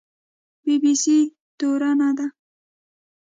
بي بي سي تورنه ده